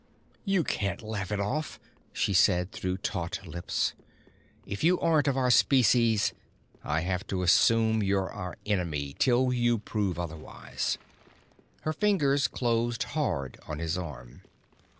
"You can't laugh it off," she said through taut lips. "If you aren't of our species I have to assume you're our enemy till you prove otherwise!" Her fingers closed hard on his arm.